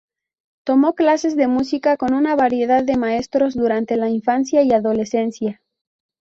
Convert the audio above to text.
Tomó clases de música con una variedad de maestros durante la infancia y adolescencia.